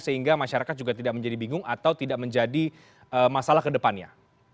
sehingga masyarakat juga tidak menjadi bingung atau tidak menjadi masalah ke depannya